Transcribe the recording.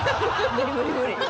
無理無理無理。